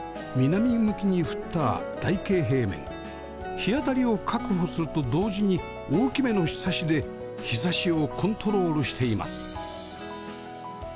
日当たりを確保すると同時に大きめのひさしで日差しをコントロールしています